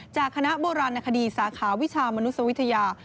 จากคณะโบราณคดีสาขาวิชามนุษยวิทยา